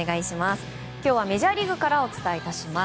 今日はメジャーリーグからお伝えいたします。